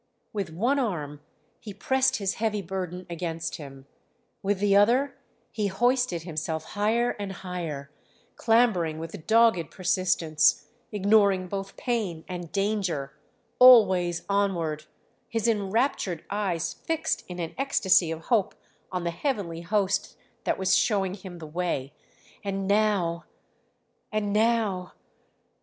With one arm he pressed his heavy burden against him, with the other he hoisted himself higher and higher, clambering with dogged persistence, ignoring both pain and danger, always onwards, his enraptured eyes fixed in an ecstasy of hope on the heavenly host that was showing him the way ... and now ... and now